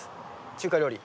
中華料理。